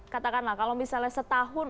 katakanlah kalau misalnya setahun